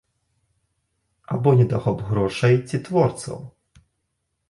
Або недахоп грошай ці творцаў?